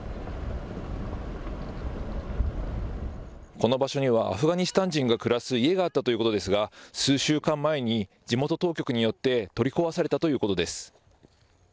この場所にはアフガニスタン人が暮らす家があったということですが数週間前に地元当局によって取り壊されたということです。